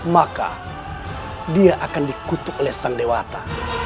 maka dia akan dikutuk oleh sang dewata